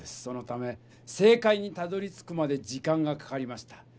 そのため正かいにたどりつくまで時間がかかりました。